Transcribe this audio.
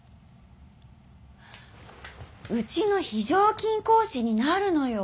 うちの非常勤講師になるのよ。